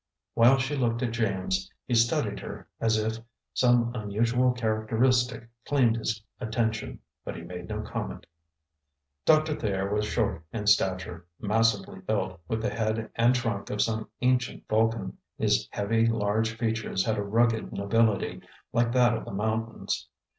While she looked at James, he studied her, as if some unusual characteristic claimed his attention, but he made no comment. Doctor Thayer was short in stature, massively built, with the head and trunk of some ancient Vulcan. His heavy, large features had a rugged nobility, like that of the mountains.